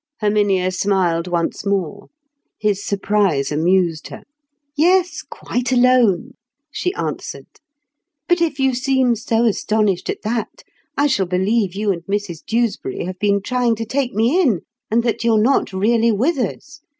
Herminia smiled once more; his surprise amused her. "Yes, quite alone," she answered. "But if you seem so astonished at that, I shall believe you and Mrs Dewsbury have been trying to take me in, and that you're not really with us.